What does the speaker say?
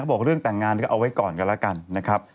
บอกเรื่องแต่งงานก็เอาไว้ก่อนกันแล้วกันนะครับ